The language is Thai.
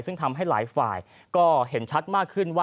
ซึ่งทำให้หลายฝ่ายก็เห็นชัดมากขึ้นว่า